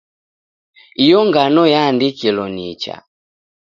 Iyo ngano yaandikilo nicha.